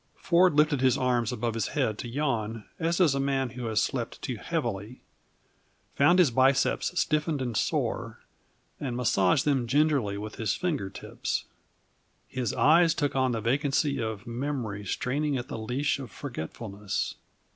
Ford lifted his arms above his head to yawn as does a man who has slept too heavily, found his biceps stiffened and sore, and massaged them gingerly with his finger tips. His eyes took on the vacancy of memory straining at the leash of forgetfulness.